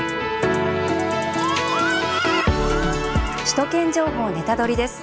「首都圏情報ネタドリ！」です。